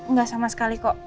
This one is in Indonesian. gak sama sekali kok